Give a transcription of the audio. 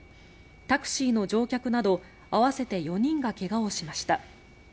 タクシーの乗客など合わせて４人が怪我をしました。